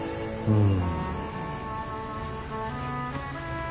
うん。